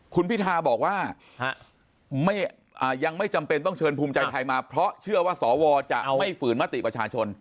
คุณพิทาบอกว่ายังไม่จำเป็นต้องเชิญภูมิใจไทยมาเพราะเชื่อว่าสวจะไม่ฝืนมติประชาชน